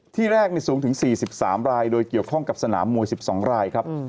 ที่แรกสูงถึง๔๓รายโดยเกี่ยวข้องกับสนามมวย๑๒รายครับ